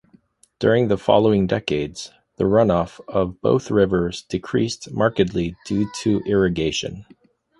During the following decades, the runoff of both rivers decreased markedly due to irrigation.